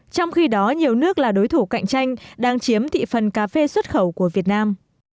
trong khi đó nhiều nước là đối thủ cạnh tranh đang chiếm thị phần cà phê xuất khẩu của việt nam